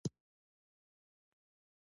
سلیمان غر د اقتصاد یوه مهمه برخه ده.